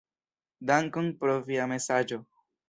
Dankon pro via mesaĝo.